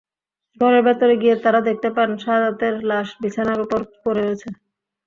ঘরের ভেতরে গিয়ে তাঁরা দেখতে পান, শাহাদাতের লাশ বিছানার ওপর পড়ে রয়েছে।